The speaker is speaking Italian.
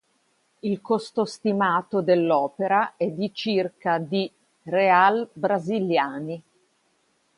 Il costo stimato dell'opera è di circa di real brasiliani.